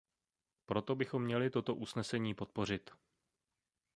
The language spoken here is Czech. Proto bychom měli toto usnesení podpořit.